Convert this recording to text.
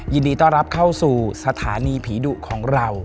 ยินดีต้อนรับเข้าสู่สถานีผีดุของเรา